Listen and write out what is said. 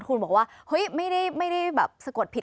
คุณบอกว่าเฮ้ยไม่ได้แบบสะกดผิด